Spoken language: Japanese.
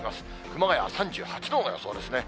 熊谷は３８度の予想ですね。